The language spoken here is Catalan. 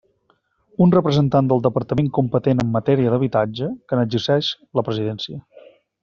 Un representant del departament competent en matèria d'habitatge, que n'exerceix la presidència.